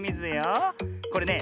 これね